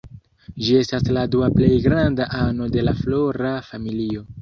Ĝi estas la dua plej granda ano de la Flora familio.